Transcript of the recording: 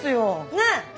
ねえ？